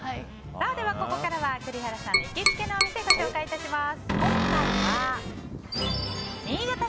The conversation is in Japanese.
ではここからは栗原さんの行きつけのお店をご紹介します。